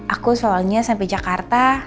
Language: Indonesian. aku soalnya sampai jakarta